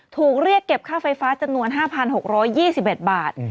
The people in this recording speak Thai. ถูกเรียกเก็บค่าไฟฟ้าจำนวน๕๖๒๑บาท